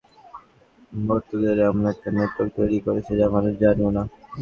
শোলা এবং পলি দুনিয়াজুড়ে ভৃত্যদের এমন একটা নেটওয়্যার্ক তৈরী করেছে যা মানুষ জানেও না!